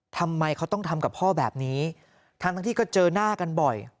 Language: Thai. ทำไมเขาต้องทำกับพ่อแบบนี้ทั้งที่ก็เจอหน้ากันบ่อย